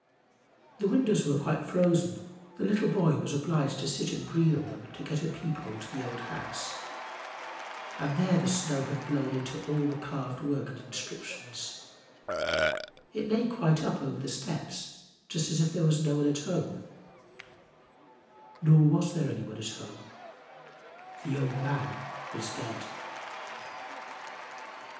The windows were quite frozen, the little boy was obliged to sit and breathe on them to get a peep hole over to the old house, and there the snow had been blown into all the carved work and inscriptions; it lay quite up over the steps, just as if there was no one at home nor was there any one at home the old man was dead!